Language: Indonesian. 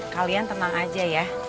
kalian tenang aja ya